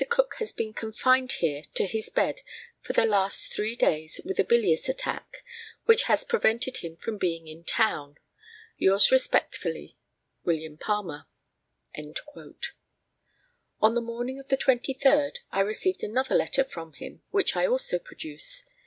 Cook has been confined here to his bed for the last three days with a bilious attack, which has prevented him from being in town. "Yours respectfully, "WM. PALMER." On the morning of the 23rd I received another letter from him, which I also produce.